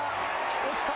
落ちた。